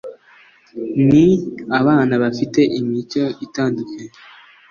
Ni abana bafite imico itandukanye